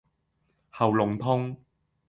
喉嚨痛